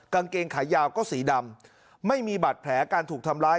กางเกงขายาวก็สีดำไม่มีบาดแผลการถูกทำร้าย